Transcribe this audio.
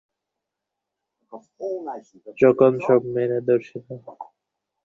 যখন সব মেয়েরা ধর্ষিত হবে।